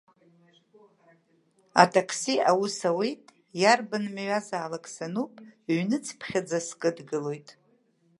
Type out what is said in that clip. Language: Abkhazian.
Атакси аус ауеит, иарбан мҩазаалак сануп, ҩныцԥхьаӡа скыдгылоит.